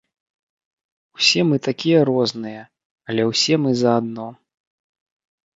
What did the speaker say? Усе мы такія розныя, але ўсе мы заадно.